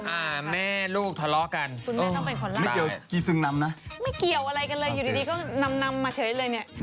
อ่าแม่ลูกทะเลาะกันไม่เกี่ยวอะไรกันเลยอยู่ดีก็นำมาเฉยเลยเนี่ย